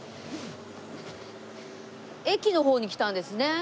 駅の方に来たんですね。